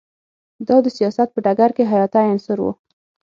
دا د سیاست په ډګر کې حیاتی عنصر و